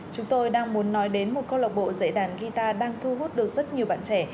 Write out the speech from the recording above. chúng tôi đang muốn nói đến một câu lạc bộ dạy đàn guitar đang thu hút được rất nhiều bạn trẻ